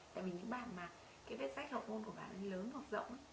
tại vì những bạn mà cái vết sách hậu môn của bạn lớn hoặc rộng